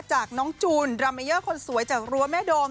จากน้องจูนราเมเยอร์คนสวยจากรั้วแม่โดม